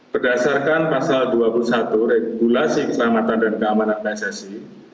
berdasarkan pasal dua puluh satu regulasi keselamatan dan keamanan pssi